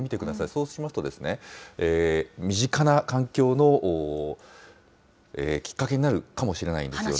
そうしますと、身近な環境のきっかけになるかもしれないんですよ